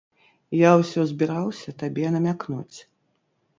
Я ўсё збіраўся табе намякнуць.